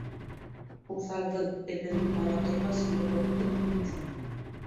Һуҫарҙың эҙен, бара торғас, юғалттым бит.